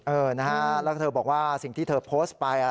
เออนะฮะแล้วเธอบอกว่าสิ่งที่เธอโพสต์ไป